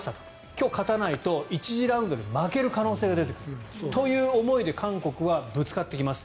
今日勝たないと１次ラウンドで負ける可能性が出てくるという思いで韓国はぶつかってきます。